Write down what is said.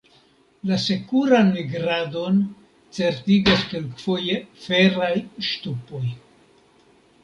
La sekuran migradon certigas kelkfoje feraj ŝtupoj.